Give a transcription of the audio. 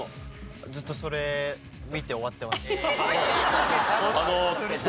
ずっとそれ見て終わってました。